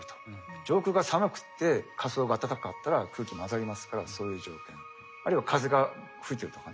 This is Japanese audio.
上空が寒くて下層が暖かかったら空気混ざりますからそういう条件。あるいは風が吹いてるとかね。